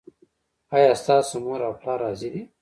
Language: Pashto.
ایا ستاسو مور او پلار راضي دي؟